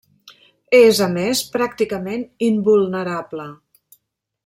És a més pràcticament invulnerable.